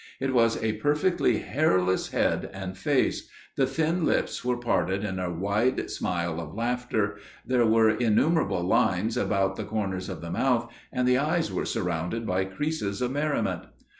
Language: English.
"It was a perfectly hairless head and face, the thin lips were parted in a wide smile of laughter, there were innumerable lines about the corners of the mouth, and the eyes were surrounded by creases of merriment.